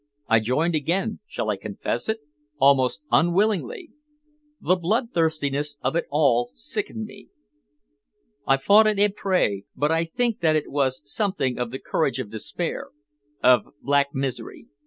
I joined again shall I confess it? almost unwillingly. The bloodthirstiness of it all sickened me. I fought at Ypres, but I think that it was something of the courage of despair, of black misery.